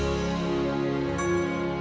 ya tuhan ya tuhan